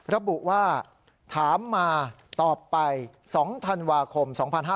ระบุว่าถามมาตอบไป๒ธันวาคม๒๕๕๙